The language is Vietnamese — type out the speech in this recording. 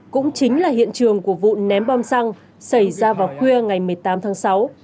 cũng chính là hiện trường của vụ ném bom xăng xảy ra vào khuya ngày một mươi tám tháng sáu